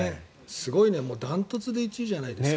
すごいね断トツで１位じゃないですか。